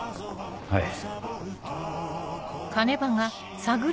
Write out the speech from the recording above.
はい。